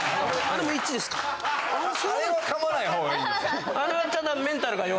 あれは噛まない方がいいです。